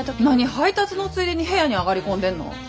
なに配達のついでに部屋に上がり込んでんの！